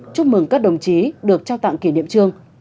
chúc mừng các đồng chí được trao tặng kỷ niệm trương